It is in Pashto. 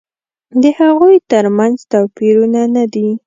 د هغوی تر منځ توپیرونه نه دي.